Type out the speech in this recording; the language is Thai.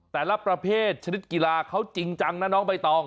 แต่ละประเภทชนิดกีฬาเขาจริงจังนะน้องใบตอง